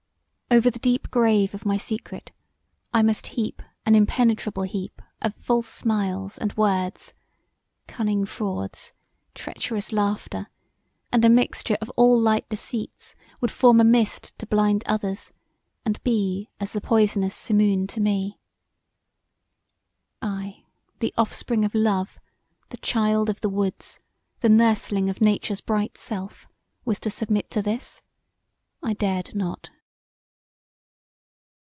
Over the deep grave of my secret I must heap an impenetrable heap of false smiles and words: cunning frauds, treacherous laughter and a mixture of all light deceits would form a mist to blind others and be as the poisonous simoon to me. I, the offspring of love, the child of the woods, the nursling of Nature's bright self was to submit to this? I dared not.